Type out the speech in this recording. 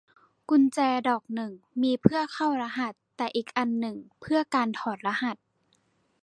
กุญแจดอกหนึ่งมีเพื่อเข้ารหัส แต่อีกอันหนึ่งเพื่อการถอดรหัส